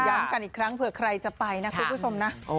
กันอีกครั้งเผื่อใครจะไปนะคุณผู้ชมนะ